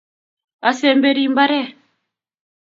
asemberi mbare